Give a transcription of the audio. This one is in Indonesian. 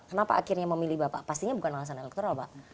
kenapa akhirnya memilih bapak pastinya bukan alasan elektoral pak